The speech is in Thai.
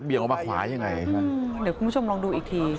เดี๋ยวพี่ผู้ชมลองดูอีกที